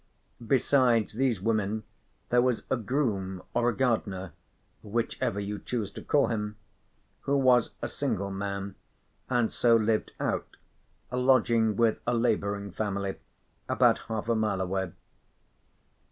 Besides these women there was a groom or a gardener (whichever you choose to call him), who was a single man and so lived out, lodging with a labouring family about half a mile away.